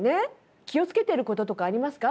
気をつけてることとかありますか？